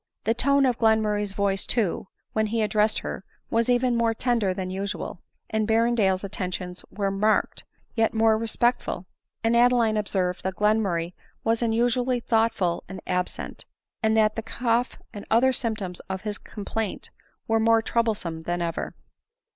The tone of Glenmurray's voice too, when he addressed her, was even more tender than usual, and Berrendale's attentions more marked, yet more respectful ; and Ade line observed that Glenmurray was unusually thoughtful and absent, and that the cough and xtfher symptoms of his complaint were more troublesome than ever.